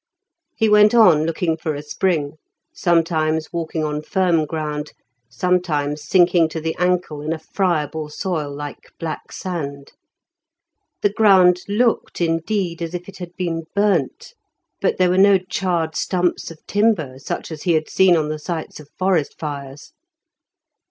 He went on, looking for a spring, sometimes walking on firm ground, sometimes sinking to the ankle in a friable soil like black sand. The ground looked, indeed, as if it had been burnt, but there were no charred stumps of timber such as he had seen on the sites of forest fires.